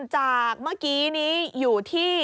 จากเมื่อกี้นี้อยู่ที่